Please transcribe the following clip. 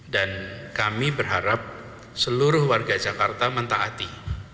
dan kami berharap seluruh warga jakarta mentaati